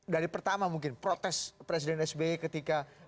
dari pertama mungkin protes presiden sby ketika